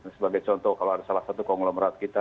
sebagai contoh kalau ada salah satu konglomerat kita